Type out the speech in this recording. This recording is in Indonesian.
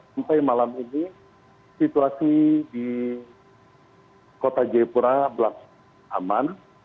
sampai malam ini situasi di kota jayapura berlangsung aman